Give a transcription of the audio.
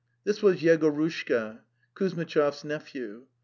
This was Yegorushka, Kuzmitchov's nephew.